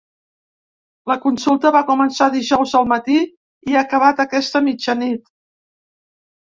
La consulta va començar dijous al matí i ha acabat aquesta mitjanit.